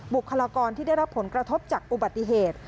บุคลากรที่ได้รับผลกระทบจากอุบัติเหตุ